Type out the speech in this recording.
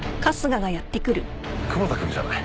久保田君じゃない。